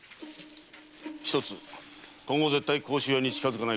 一つ今後絶対甲州屋に近づかないこと。